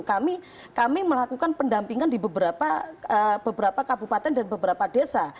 kami melakukan pendampingan di beberapa kabupaten dan beberapa desa